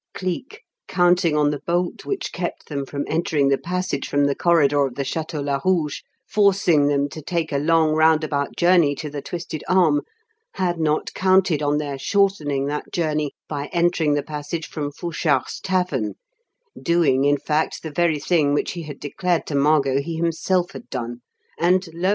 Cleek, counting on the bolt which kept them from entering the passage from the corridor of the Château Larouge forcing them to take a long, roundabout journey to "The Twisted Arm" had not counted on their shortening that journey by entering the passage from Fouchard's tavern, doing, in fact, the very thing which he had declared to Margot he himself had done. And lo!